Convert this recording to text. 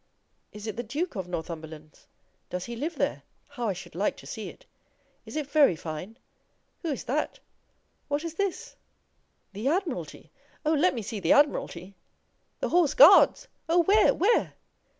Is it the Duke of Northumberland's? Does he live there? How I should like to see it! Is it very fine? Who is that? What is this? The Admiralty; oh! let me see the Admiralty! The Horse Guards! Oh! where, where?